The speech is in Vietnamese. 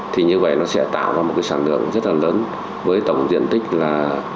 thì như vậy nó sẽ tạo ra một cái sản lượng rất là lớn với tổng diện tích là